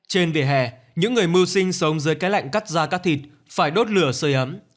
trên vỉa hè những người mưu sinh sống dưới cái lạnh cắt da cắt thịt phải đốt lửa sơi ấm